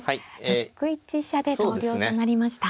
６一飛車で投了となりました。